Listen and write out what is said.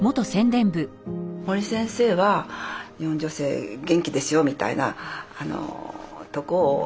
森先生は日本女性元気ですよみたいなとこを本当に見せたかった。